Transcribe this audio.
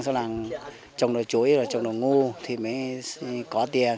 sau đó trồng đồ chuối trồng đồ ngu thì mới có tiền